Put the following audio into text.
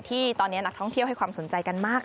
ที่ตอนนี้นักท่องเที่ยวให้ความสนใจกันมาก